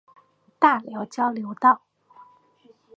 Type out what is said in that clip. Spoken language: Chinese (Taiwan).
大寮交流道